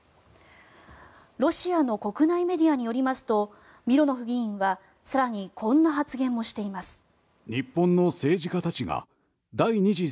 ロシアの国内メディアによりますと、ミロノフ議員は更にこんな発言もしています。